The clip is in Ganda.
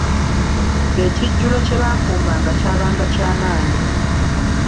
Ekijjulo kye baafumbanga kyabanga kyamanyi.